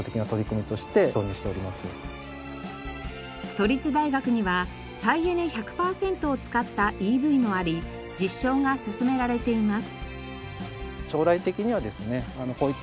都立大学には再エネ１００％を使ったＥＶもあり実証が進められています。